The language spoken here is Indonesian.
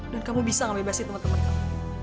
dan kamu bisa mengbebasi teman teman kamu